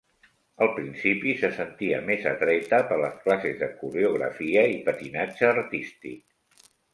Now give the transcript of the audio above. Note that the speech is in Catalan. Al principi, se sentia més atreta per les classes de coreografia i patinatge artístic.